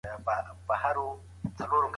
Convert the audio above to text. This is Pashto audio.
سفارتونه د بحران پر مهال مرسته کوي.